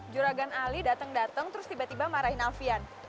juragan ali dateng dateng terus tiba tiba marahin alfian